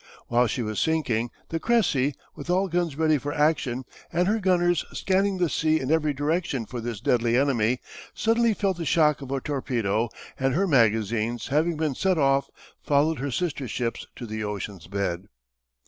While she was sinking the Cressy, with all guns ready for action and her gunners scanning the sea in every direction for this deadly enemy, suddenly felt the shock of a torpedo and, her magazines having been set off, followed her sister ships to the ocean's bed.